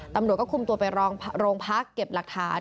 ตำรวจก็คุมตัวไปโรงพักเก็บหลักฐาน